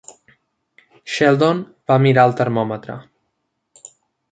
Sheldon va mirar el termòmetre.